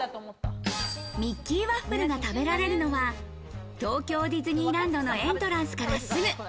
ミッキーワッフルが食べられるのは東京ディスニーランドのエントランスからすぐ。